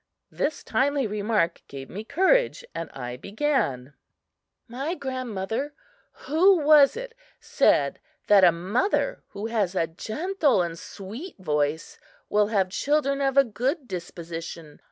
This timely remark gave me courage and I began: "My grandmother, who was it said that a mother who has a gentle and sweet voice will have children of a good disposition?